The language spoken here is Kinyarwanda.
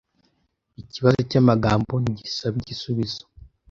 Ikibazo cyamagambo ntigisaba igisubizo.